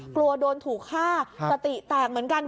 กลัวโดนถูกฆ่าสติแตกเหมือนกัน